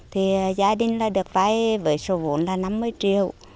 thì gia đình là được vay với số vốn là năm mươi triệu